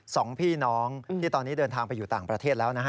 สองพี่น้องที่ตอนนี้เดินทางไปอยู่ต่างประเทศแล้วนะฮะ